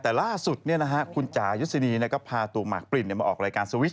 แต่ล่าสุดเนี่ยนะฮะคุณจ๋ายุศินีย์เนี่ยก็พาตัวหมากปลินเนี่ยมาออกรายการสวิทช์